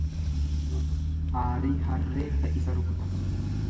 Aarii harree fe'isa rukuta.